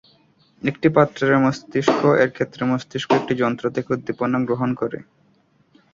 একটি পাত্রে মস্তিষ্ক এর ক্ষেত্রে মস্তিষ্ক একটি যন্ত্র থেকে উদ্দীপনা গ্রহণ করে।